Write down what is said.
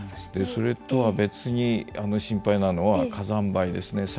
それとは別に心配なのは火山灰ですね。